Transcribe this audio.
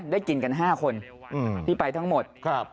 ได้กลิ่นกัน๕คนอืมที่ไปทั้งหมดครับ